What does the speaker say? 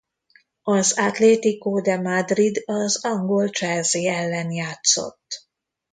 Az Atlético de Madrid az angol Chelsea ellen játszott.